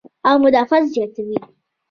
او مدافعت زياتوي -